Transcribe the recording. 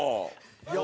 いや